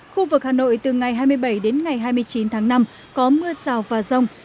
khu vực hà nội từ ngày hai mươi bảy đến ngày hai mươi chín tháng năm có mưa rào và rông